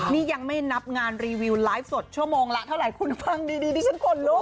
นี่ยังไม่นับงานรีวิวไลฟ์สดชั่วโมงละเท่าไหร่คุณฟังดีดิฉันขนลุก